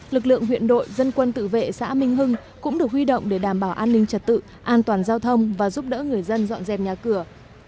lực lượng huyện đội dân quân tự vệ xã minh hưng cũng được huy động để đảm bảo an ninh trật tự an toàn giao thông và giúp đỡ người dân dọn dẹp nhà cửa